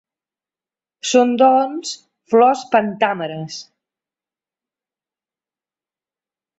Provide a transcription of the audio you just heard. Són doncs flors pentàmeres.